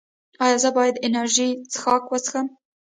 ایا زه باید انرژي څښاک وڅښم؟